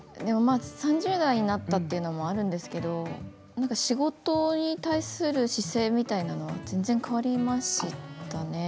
３０代になったっていうのもあるんですけれど仕事に対する姿勢みたいなものは全然変わりましたね。